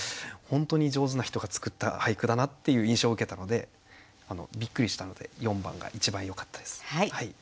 本当に上手な人が作った俳句だなっていう印象を受けたのでびっくりしたので４番が一番よかったです。